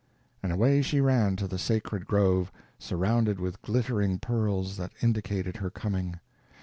And away she ran to the sacred grove, surrounded with glittering pearls, that indicated her coming.